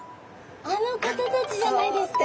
あの方たちじゃないですか？